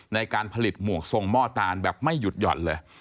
ในการผลิตหมวกทรงหม้อตานแบบไม่หยุดหย่อนเลย